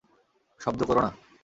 শব্দ করো না।